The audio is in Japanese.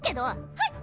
はい。